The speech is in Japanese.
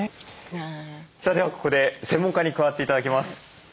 さあではここで専門家に加わって頂きます。